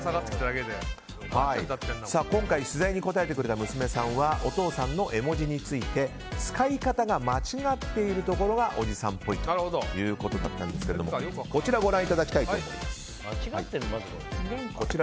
今回、取材に答えてくれた娘さんはお父さんの絵文字について使い方が間違っているところがおじさんっぽいということだったんですがこちらご覧いただきたいと思います。